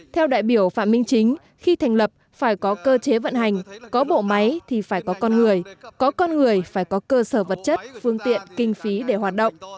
theo đại biểu phạm minh chính khi thành lập phải có cơ chế vận hành có bộ máy thì phải có con người có con người phải có cơ sở vật chất phương tiện kinh phí để hoạt động